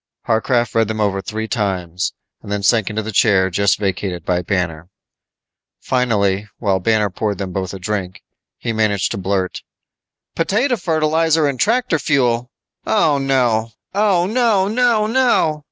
Harcraft read them over three times, then sank into the chair just vacated by Banner. Finally while Banner poured them both a drink he managed to blurt, "Potato fertilizer and tractor fuel Oh, no. Oh, no, no, no!"